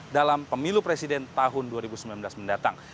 dalam pemilu presiden tahun dua ribu sembilan belas mendatang